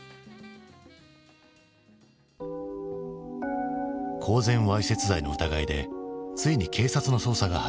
公然わいせつ罪の疑いでついに警察の捜査が入る。